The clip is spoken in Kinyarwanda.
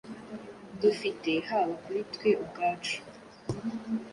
dufite haba kuri twe ubwacu,